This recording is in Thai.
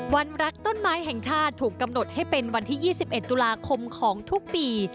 รักต้นไม้แห่งชาติถูกกำหนดให้เป็นวันที่๒๑ตุลาคมของทุกปี